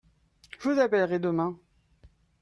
Je vous appellerai demain.